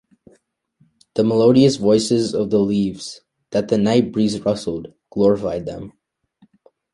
The melodious voices of the leaves, that the night breeze rustled, glorified them.